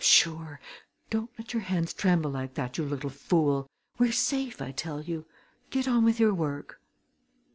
"Sure! Don't let your hands tremble like that, you little fool! We're safe, I tell you! Get on with your work."